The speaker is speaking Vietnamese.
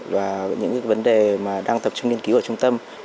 và những vấn đề mà đang tập trung nghiên cứu ở trung tâm